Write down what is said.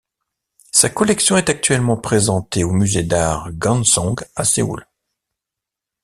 Sa collection est actuellement présentée au musée d'art Gansong à Séoul.